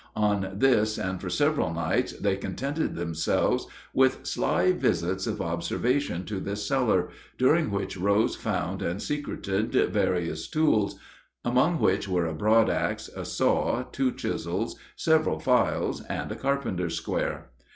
On this and for several nights they contented themselves with sly visits of observation to this cellar, during which Rose found and secreted various tools, among which were a broad ax, a saw, two chisels, several files, and a carpenter's square.